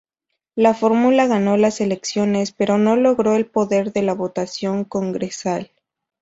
La fórmula ganó las elecciones pero no logró el poder en la votación congresal.